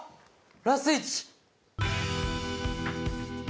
ラスイチ！